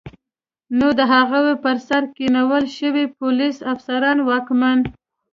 نو د هغوی پر سر کینول شوي پولیس، افسران، واکمن